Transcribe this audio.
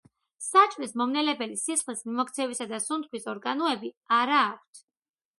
საჭმლის მომნელებელი, სისხლის მიმოქცევისა და სუნთქვის ორგანოები არა აქვთ.